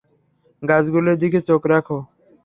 গাছগুলোর দিকে চোখ রাখো।